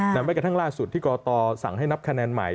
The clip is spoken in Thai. นั้นไว้กับทั้งล่าสุดที่กตสั่งให้นับคะแนนใหม่